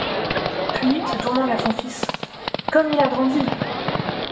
Puis, se tournant vers son fils :« Comme il a grandi !